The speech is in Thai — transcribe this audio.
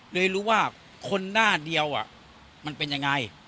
เลยรู้ว่าคนหน้าเดียวมันเป็นยังไง